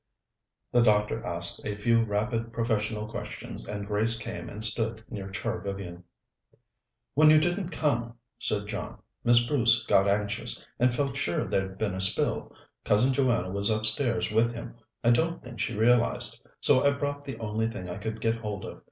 The doctor asked a few rapid professional questions, and Grace came and stood near Char Vivian. "When you didn't come," said John, "Miss Bruce got anxious, and felt sure there'd been a spill. Cousin Joanna was upstairs, with him; I don't think she realized. So I brought the only thing I could get hold of.